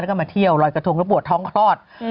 แล้วก็มาเที่ยวลอยกระทงแล้วปวดท้องคลอด